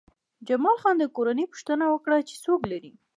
جمال خان د کورنۍ پوښتنه وکړه چې څوک لرې